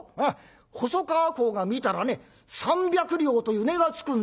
細川侯が見たらね３００両という値がつくんですよ」。